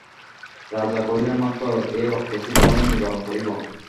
রাজা কহিলেন মা, এ রক্তস্রোত আমি নিবারণ করিব।